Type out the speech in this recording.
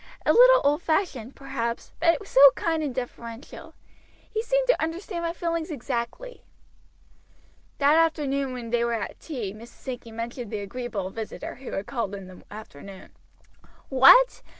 "A little old fashioned, perhaps, but so kind and deferential. He seemed to understand my feelings exactly." That evening when they were at tea Mrs. Sankey mentioned the agreeable visitor who had called in the afternoon. "What!